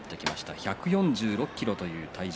１４５ｋｇという体重。